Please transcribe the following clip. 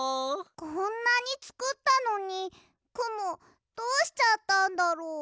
こんなにつくったのにくもどうしちゃったんだろう。